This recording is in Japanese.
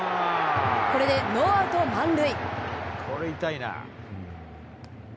これでノーアウト満塁。